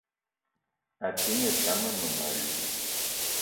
A te ngne tam mmem- alou